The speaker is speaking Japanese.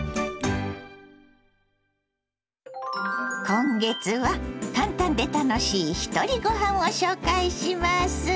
今月は「簡単で楽しいひとりごはん」を紹介します。